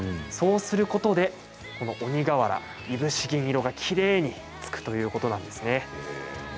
そうすることで、この鬼がわらいぶし銀色がきれいにつくということなんですね。